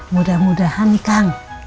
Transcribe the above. mudah mudahan nih kang